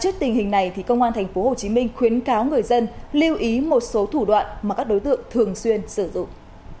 trước tình hình này công an tp hcm khuyến cáo người dân lưu ý một số thủ đoạn mà các đối tượng thường xuyên sử dụng